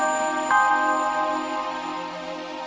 sekarang ibu masuk